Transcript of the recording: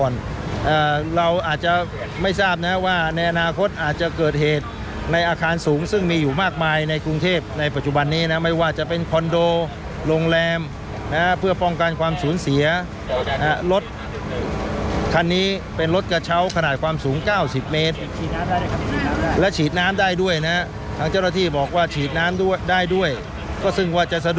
เราอาจจะไม่ทราบนะว่าในอนาคตอาจจะเกิดเหตุในอาคารสูงซึ่งมีอยู่มากมายในกรุงเทพในปัจจุบันนี้นะไม่ว่าจะเป็นคอนโดโรงแรมนะฮะเพื่อป้องกันความสูญเสียนะฮะรถคันนี้เป็นรถกระเช้าขนาดความสูง๙๐เมตรและฉีดน้ำได้ด้วยนะทางเจ้าหน้าที่บอกว่าฉีดน้ำด้วยได้ด้วยก็ซึ่งว่าจะสะ